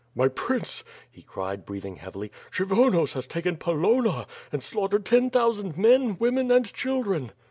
"My Prince," he cried, breathing heavily. "Kshyvonos has taken Polonna and slaughtered ten thousand men, women, and children."